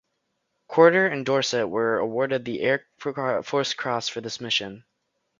Corder and Dorsett were each awarded the Air Force Cross for this mission.